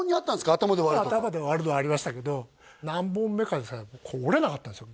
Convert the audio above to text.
「頭で割る」とか頭で割るのありましたけど何本目かですかね折れなかったんですよ